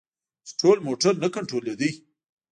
چې ټول موټر نه کنترولیده.